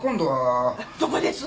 どこです？